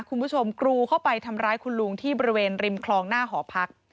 คุณผู้ชมกรูเข้าไปทำร้ายคุณลุงที่บริเวณริมคลองหน้าหอพัก